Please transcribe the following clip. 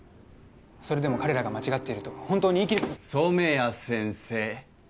それでも彼らが間違っていると本当に言い切れ染谷先生